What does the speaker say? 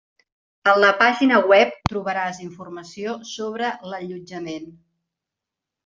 En la pàgina web trobaràs informació sobre l'allotjament.